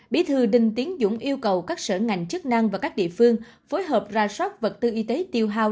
bí thư đinh tiến dũng yêu cầu các sở ngành chức năng và các địa phương phối hợp ra sót vật tư y tế tiêu hào